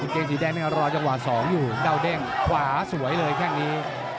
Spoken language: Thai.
เกงสีแดงเนี่ยรอจังหวะ๒อยู่เดาเด้งขวาสวยเลยแค่งนี้